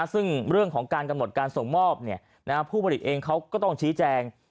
ซึ่งเรื่องของการกำหนดการส่งมอบผู้ผลิตเองเขาก็ต้องชี้แจง